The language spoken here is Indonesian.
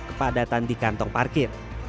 kepadatan di kantong parkir